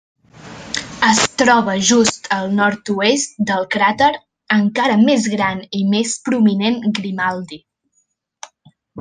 Es troba just al nord-oest del cràter encara més gran i més prominent Grimaldi.